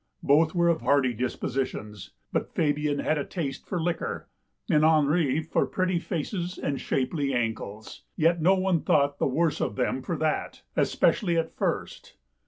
Both were of hearty dispositions, but Fabian had a taste for liquor, and Henri for pretty faces and shapely ankles. Yet no one thought the worse of them for that, especially at first.